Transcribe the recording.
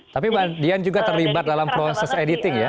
tapi mbak dian juga terlibat dalam proses editing ya